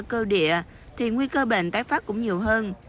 cơ địa thì nguy cơ bệnh tái phát cũng nhiều hơn